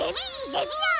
デビアー！